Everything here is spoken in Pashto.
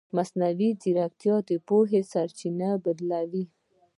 مصنوعي ځیرکتیا د پوهې سرچینه بدله کوي.